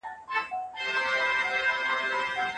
زه به ستا نمبر په خپل موبایل کې په ښه نوم خوندي کړم.